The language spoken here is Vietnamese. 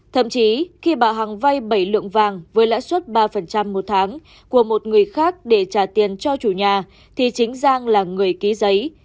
thậm chí khi bà hằng vay bảy lượng vàng với lãi suất ba một tháng của một người khác để trả tiền cho chủ nhà thì chính giang là người ký giấy